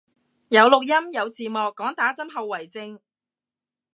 有錄音有字幕，講打針後遺症